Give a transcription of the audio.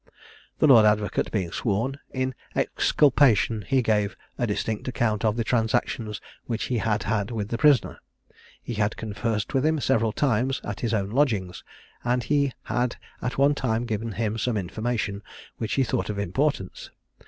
The Lord Advocate being sworn, in exculpation, he gave a distinct account of the transactions which he had had with the prisoner. He had conversed with him several times at his own lodgings; and he had at one time given him some information which he thought of importance.